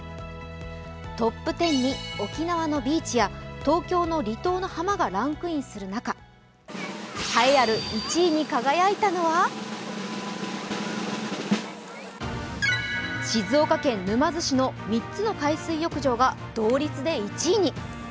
トップ１０に沖縄のビーチや東京の離島の浜がランクインする中、栄えある１位に輝いたのは静岡県沼津市の３つの海水浴場が同率で１位に。